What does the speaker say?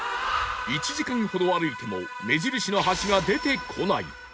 １時間ほど歩いても目印の橋が出てこない